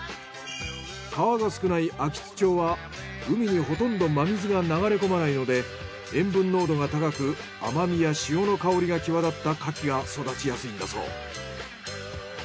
川が少ない安芸津町は海にほとんど真水が流れこまないので塩分濃度が高く甘みや潮の香りが際立ったカキが育ちやすいんだそう。